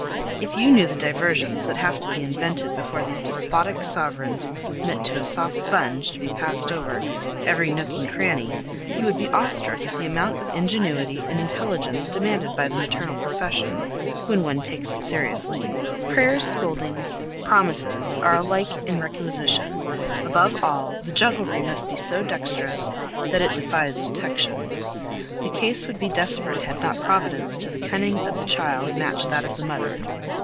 If you knew the diversions that have to be invented before these despotic sovereigns will permit a soft sponge to be passed over every nook and cranny, you would be awestruck at the amount of ingenuity and intelligence demanded by the maternal profession when one takes it seriously. Prayers, scoldings, promises, are alike in requisition; above all, the jugglery must be so dexterous that it defies detection. The case would be desperate had not Providence to the cunning of the child matched that of the mother.